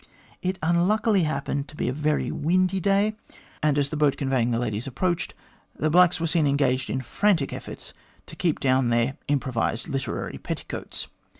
It unluckily happened to be a very windy day, and as the boat conveying the ladies approached, the blacks were seen engaged in frantic efforts to keep down their improvised literary petticoats.